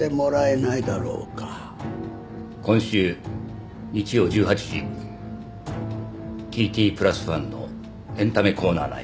今週日曜１８時『ＴＴプラスワン』のエンタメコーナー内。